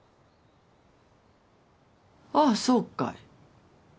ああそうかい